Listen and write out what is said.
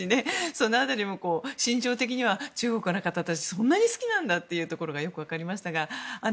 その辺りも心情的には、中国の方たちはそんなに好きなんだというのがよく分かりましたが。